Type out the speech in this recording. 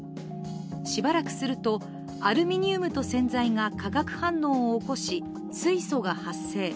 しばらくすると、アルミニウムと洗剤が化学反応を起こし、水素が発生。